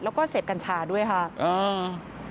แล้วก็เสพกัญชาด้วยค่ะอืม